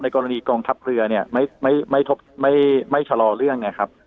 กรณีกองทัพเรือเนี่ยไม่ชะลอเรื่องไงครับ